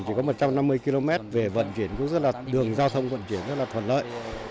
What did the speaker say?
chỉ có một trăm năm mươi km về vận chuyển cũng rất là đường giao thông vận chuyển rất là thuận lợi